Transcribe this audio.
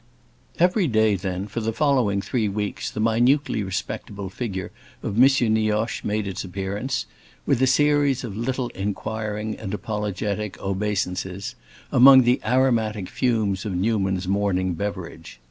Every day, then, for the following three weeks, the minutely respectable figure of M. Nioche made its appearance, with a series of little inquiring and apologetic obeisances, among the aromatic fumes of Newman's morning beverage.